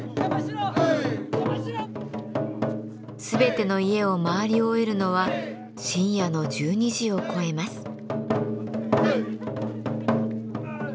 全ての家を回り終えるのは深夜の１２時を超えます。